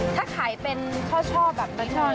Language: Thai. ถ้าขายเป็นข้อชอบแบบน้อย